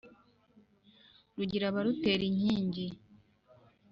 rugira abarutera inkingi